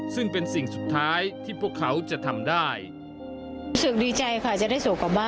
ซึ่งเป็นสิ่งสุดท้ายที่พวกเขาจะทำได้